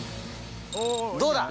どうだ。